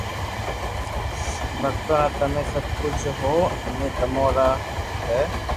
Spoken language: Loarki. ڀگتو را تمي سب ڪجھ ھون امي تمو را ھي